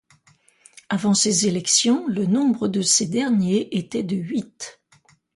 Avant ces élections, le nombre de ces derniers était de huit.